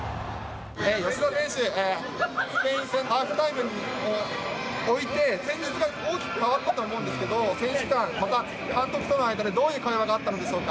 吉田選手、スペイン戦、ハーフタイムを終えて、戦術が大きく変わったと思うんですけど、選手間、また監督との間でどういう会話があったんでしょうか。